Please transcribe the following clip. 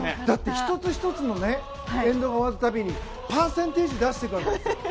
だって１つ１つのエンドが終わる度にパーセンテージを出していたんですよ。